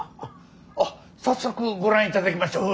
あっ早速ご覧いただきましょう。